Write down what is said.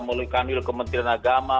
melalui kandil kementerian agama